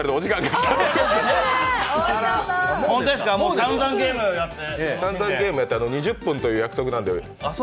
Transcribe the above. さんざんゲームやって２０分という約束なんで。